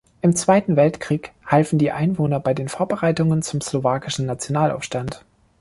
Im Zweiten Weltkrieg halfen die Einwohner bei den Vorbereitungen zum Slowakischen Nationalaufstand.